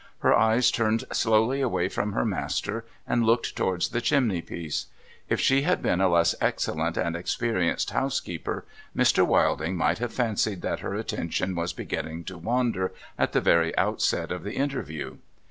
Her eyes turned slowly away from her master, and looked towards the chimney piece. If she had been a less excellent and experienced house keeper, Mr. Wilding might have fancied that her attention was beginning to wander at the very outset of the interview.